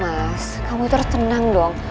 mas kamu itu harus tenang dong